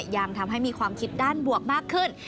ยังทำให้มีความคิดด้านบวกมากขึ้น